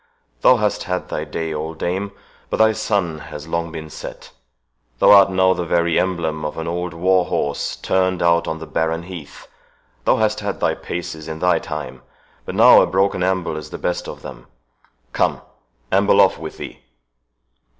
Thou hast had thy day, old dame, but thy sun has long been set. Thou art now the very emblem of an old war horse turned out on the barren heath—thou hast had thy paces in thy time, but now a broken amble is the best of them—Come, amble off with thee."